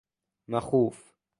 مخوف